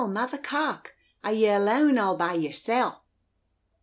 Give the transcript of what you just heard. Mother Carke, are ye alane all by yersel'?"